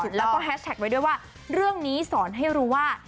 แล้วก็แฮชแท็กไว้ด้วยว่าเรื่องนี้สอนให้รู้ว่า